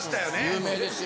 有名ですよ。